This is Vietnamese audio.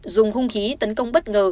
dùng hung khí tấn công bất ngờ